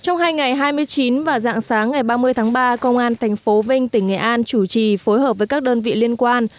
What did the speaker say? trong hai ngày hai mươi chín và dạng sáng ngày ba mươi tháng ba công an tp vinh tỉnh nghệ an chủ trì phối hợp với các đơn vị liên quan